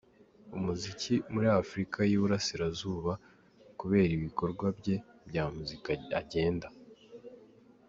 umuziki muri Afurika yUburasirazuba kubera ibikorwa bye bya muzika agenda.